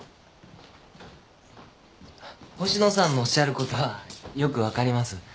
星野さんのおっしゃることはよく分かります。